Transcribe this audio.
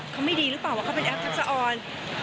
เขาไม่ดีหรือเปล่าว่าเขาเป็นแอปทักษะออน